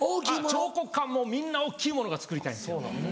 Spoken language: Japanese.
彫刻家はもうみんな大っきいものが作りたいんですよ。